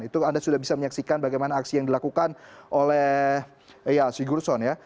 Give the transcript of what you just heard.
itu anda sudah bisa menyaksikan bagaimana aksi yang dilakukan oleh sigurdsson